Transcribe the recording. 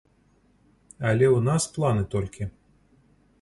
Але ў нас планы толькі.